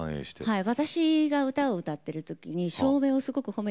はい。